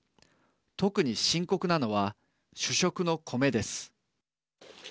特に深刻なのは主食のコメです。